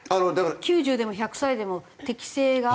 ９０でも１００歳でも適正があれば。